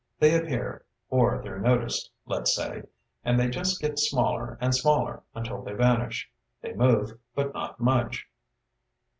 They appear or they're noticed, let's say and they just get smaller and smaller until they vanish. They move, but not much."